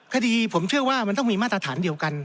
คดีผมเชื่อว่ามันต้องมีมาตรฐานเดียวกัน